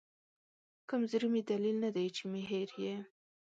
کمزوري مې دلیل ندی چې مې هېر یې